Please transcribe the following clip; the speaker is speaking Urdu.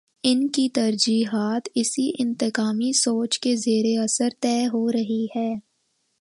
ان کی ترجیحات اسی انتقامی سوچ کے زیر اثر طے ہو رہی ہیں۔